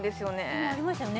今ありましたよね